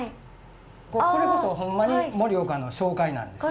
これこそほんまに盛岡の紹介なんです。